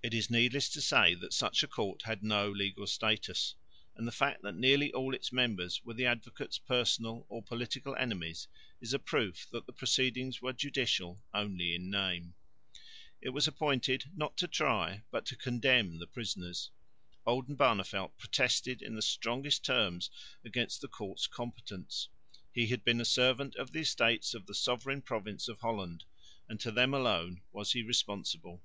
It is needless to say that such a court had no legal status; and the fact that nearly all its members were the Advocate's personal or political enemies is a proof that the proceedings were judicial only in name. It was appointed not to try, but to condemn the prisoners. Oldenbarneveldt protested in the strongest terms against the court's competence. He had been the servant of the Estates of the sovereign province of Holland, and to them alone was he responsible.